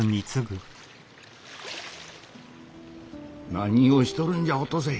何をしとるんじゃお登勢！